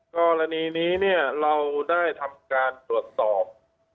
กรณีนี้เนี่ยเราได้ทำการตรวจสอบ